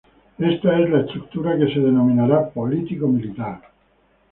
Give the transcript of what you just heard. Esta es la estructura que se denominará "político militar".